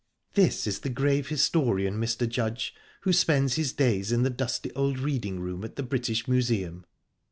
"This is the grave historian, Mr. Judge, who spends his days in the dusty old reading room at the British Museum."